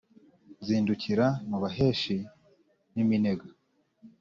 nzindukira mu baheshi n’iminega,